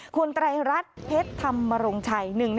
คุณไตรรัฐเพชรธรรมรงชัย๑๑